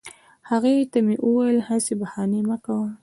هغې ته مې وویل هسي بهانې مه کوه